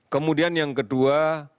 kemudian yang kedua